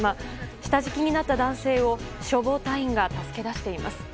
下敷きになった男性を消防隊員が助け出しています。